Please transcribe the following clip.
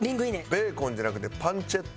ベーコンじゃなくてパンチェッタ？